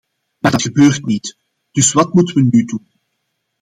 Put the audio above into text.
Maar dat gebeurt niet, dus wat moeten we nu doen?